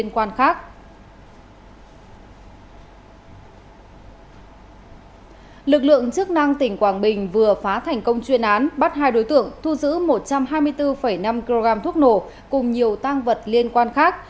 quảng bình vừa phá thành công chuyên án bắt hai đối tượng thu giữ một trăm hai mươi bốn năm kg thuốc nổ cùng nhiều tang vật liên quan khác